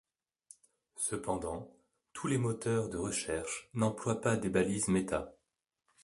Cependant, tous les moteurs de recherche n’emploient pas des balises meta.